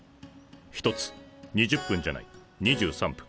１つ２０分じゃない２３分。